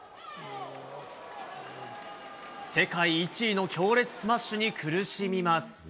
世界１位の強烈スマッシュに苦しみます。